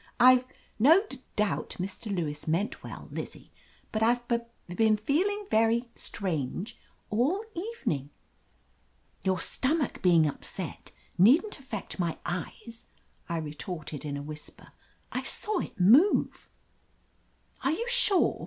"I've — no — d doubt Mr. Lewis meant Iwell, Lizzie, but IVe b been feeling very strange all evening." "Your stomach being upset needn't affect my eyes," I retorted in a whisper. "I saw it move." "Are you sure